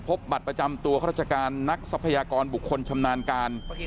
บัตรประจำตัวข้าราชการนักทรัพยากรบุคคลชำนาญการ